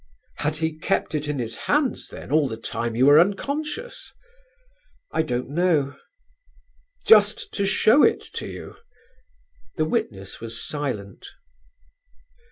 "Had he kept it in his hands, then, all the time you were unconscious?" "I don't know." "Just to show it to you?" The witness was silent.